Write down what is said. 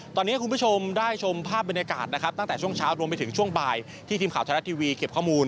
ตอนนี้คุณผู้ชมได้ชมภาพบรรยากาศนะครับตั้งแต่ช่วงเช้ารวมไปถึงช่วงบ่ายที่ทีมข่าวไทยรัฐทีวีเก็บข้อมูล